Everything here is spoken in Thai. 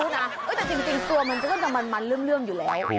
แต่จริงตัวมันก็จะมันเรื่องอยู่แล้ว